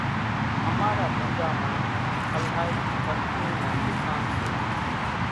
امارا ۮنڳا مان الائِي پرچونَ نا ۮُڪان سي۔